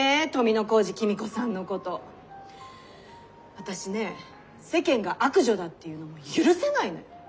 私ね世間が悪女だって言うの許せないのよ。